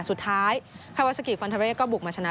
สุดท้ายคาวาสกิฟันเทอร์เวร์ก็บุกมาชนะ